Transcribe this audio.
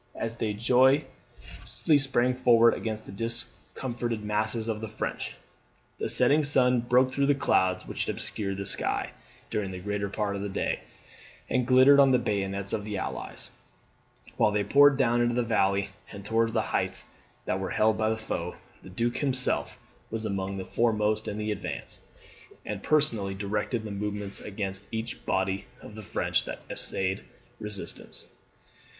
As they joyously sprang forward against the discomfited masses of the French, the setting sun broke through the clouds which had obscured the sky during the greater part of the day, and glittered on the bayonets of the Allies, while they poured down into the valley and towards the heights that were held by the foe. The Duke himself was among the foremost in the advance, and personally directed the movements against each body of the French that essayed resistance.